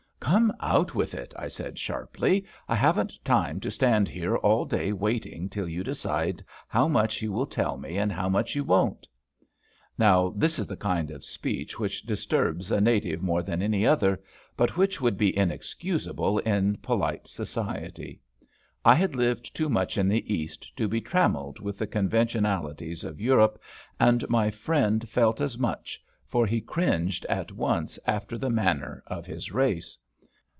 "Come, out with it," I said, sharply; "I haven't time to stand here all day waiting till you decide how much you will tell me and how much you won't." Now this is the kind of speech which disturbs a native more than any other, but which would be inexcusable in polite society. I had lived too much in the East to be trammelled with the conventionalities of Europe, and my friend felt as much, for he cringed at once after the manner of his race.